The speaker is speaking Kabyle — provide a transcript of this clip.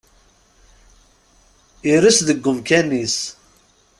Ires deg umkan-is.